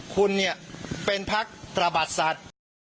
คุณเนี่ยเป็นพักตระบัดสัตว์